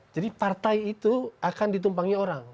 jadi partai itu akan ditumpangi orang